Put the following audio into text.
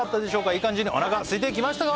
いい感じにおなかすいてきましたか？